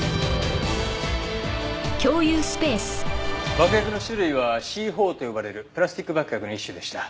爆薬の種類はＣ−４と呼ばれるプラスチック爆薬の一種でした。